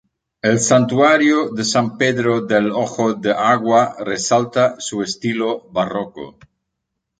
El Santuario de San Pedro del Ojo de Agua resalta su estilo barroco.